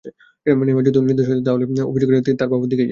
Neymar যদি নির্দোষ হয়ে থাকেন, তাহলে অভিযোগের তির তাঁর বাবার দিকেই যায়।